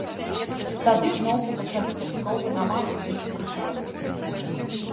Тады зноўку пачаліся спробы намацаць нейкую глебу.